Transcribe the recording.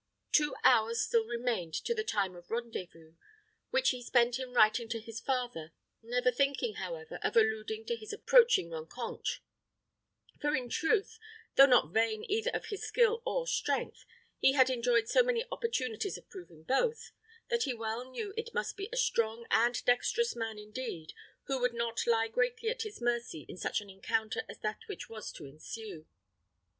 Two hours still remained to the time of rendezvous, which he spent in writing to his father; never thinking, however, of alluding to his approaching rencontre; for in truth, though not vain either of his skill or strength, he had enjoyed so many opportunities of proving both, that he well knew it must be a strong and dexterous man indeed, who would not lie greatly at his mercy in such an encounter as that which was to ensue.